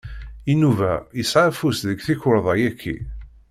Inuba yesɛa afus deg tikerḍa-yaki